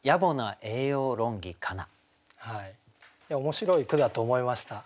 面白い句だと思いました。